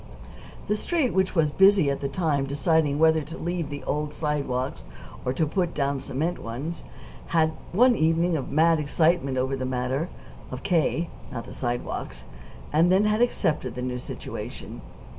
The Street, which was busy at the time deciding whether to leave the old sidewalks or to put down cement ones, had one evening of mad excitement over the matter, of K., not the sidewalks, and then had accepted the new situation.